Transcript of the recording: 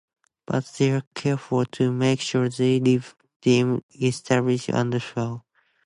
But they're careful to make sure they leave them essentially untransformed.